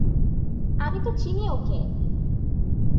আমি তো চিনি ওঁকে।